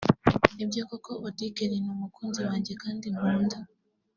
Nibyo koko Auddy Kelly ni umukunzi wanjye kandi nkunda